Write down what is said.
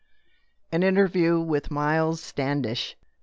AN INTERVIEW WITH MILES STANDISH.